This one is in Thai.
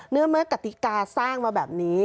เนื่องเมื่อกาธิกาสร้างมาแบบนี้